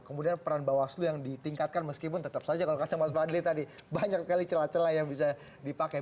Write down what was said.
kemudian peran bawaslu yang ditingkatkan meskipun tetap saja kalau kata mas fadli tadi banyak sekali celah celah yang bisa dipakai